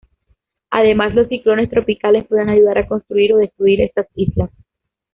Además, los ciclones tropicales pueden ayudar a construir o destruir estas islas.